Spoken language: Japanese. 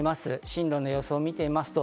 進路の予想を見ます。